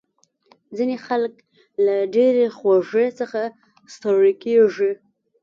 ځینې خلک له ډېرې خوږې څخه ستړي کېږي.